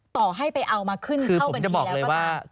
ต่อให้ไปเอามาขึ้นเข้าบัญชีแล้วก็ตาม